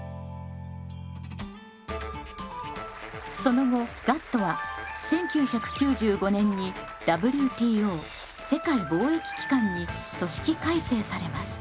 その後ＧＡＴＴは１９９５年にＷＴＯに組織改正されます。